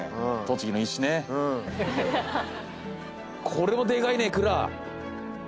これもでかいね蔵。